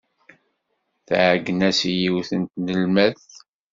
Tɛeyyen-as i yiwet n tnelmadt.